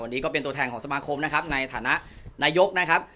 วันนี้ก็เป็นตัวแทนของสมาคมนะครับในฐานะนายกนะครับ